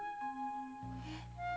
えっ？